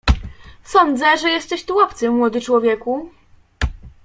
"Sądzę, że jesteś tu obcym, młody człowieku?"